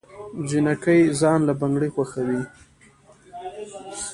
جينکۍ ځان له بنګړي خوښوي